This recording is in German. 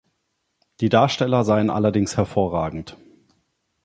Die Darsteller seien allerdings hervorragend.